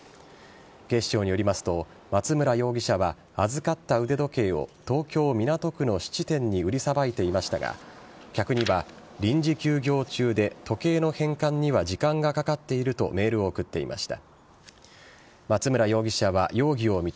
警視庁によりますと松村容疑者は預かった腕時計を東京・港区の質店に売りさばいていましたが客には臨時休業中で時計の返還には時間がかかっているとメールを送っていました。